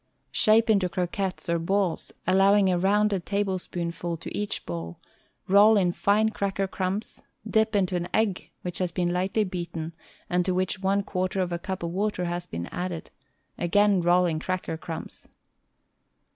Shape into croquettes, or balls, allowing a rounded tablespoonful to each ball; roll in fine cracker crumbs; dip into an egg which has been slightly beaten and to which one quarter of a cup of water has been added ; agaia roll in cracker crumbs.